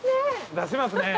出しますね。